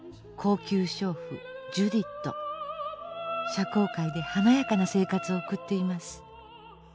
社交界で華やかな生活を送っています。